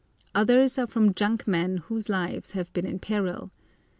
Others are from junk men whose lives have been in peril.